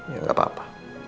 ya gak apa apa